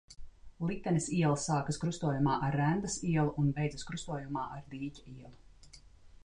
Litenes iela sākas krustojumā ar Rendas ielu un beidzas krustojumā ar Dīķu ielu.